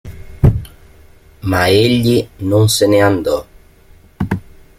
Ma egli non se ne andò.